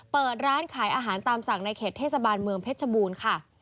เปิดร้านขายอาหารตามสั่งในเขตเทศบาลเมืองเพชรบูรณ์ค่ะ